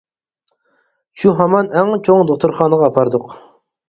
شۇ ھامان ئەڭ چوڭ دوختۇرخانىغا ئاپاردۇق.